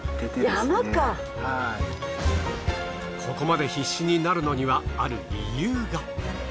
ここまで必死になるのにはある理由が。